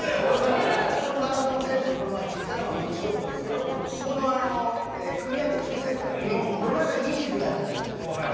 長友選手にこの前聞いたらまあプチ情報ですけどこの組分け抽選会夜中２時ぐらいだったじゃないですか。